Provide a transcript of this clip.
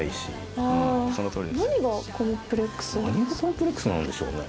何がコンプレックスなんでしょうね？